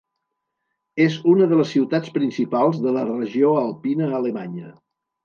És una de les ciutats principals de la regió alpina alemanya.